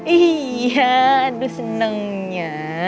iya aduh senengnya